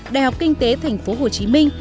đại học kinh tế thành phố hồ chí minh